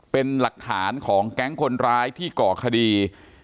เป็นหลักฐานของแก๊งคนร้ายที่ก่อคดี